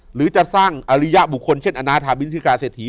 หรือจะสร้างอริยบุคคลเช่นอนาธาบินทิกาเศรษฐี